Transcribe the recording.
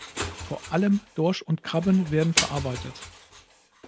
Vor allem Dorsch und Krabben werden verarbeitet.